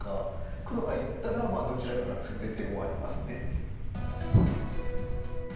黒がいったらどちらかがツブれて終わりますね。